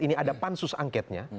ini ada pansus angketnya